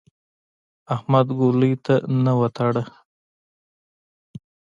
احمد ګولۍ ته نه وتاړه.